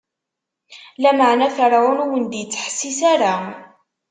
Lameɛna, Ferɛun ur wen-d-ittḥessis ara.